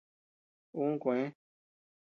Un kúë.